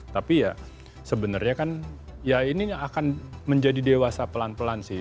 tapi ya sebenarnya kan ya ini akan menjadi dewasa pelan pelan sih